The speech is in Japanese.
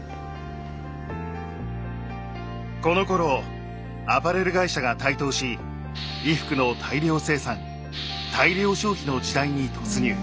このころアパレル会社が台頭し衣服の大量生産大量消費の時代に突入。